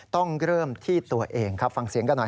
ต้องเริ่มที่ตัวเองครับฟังเสียงกันหน่อย